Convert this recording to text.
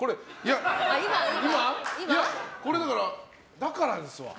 だからですわ。